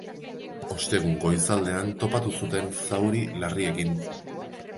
Ostegun goizaldean topatu zuten, zauri larriekin.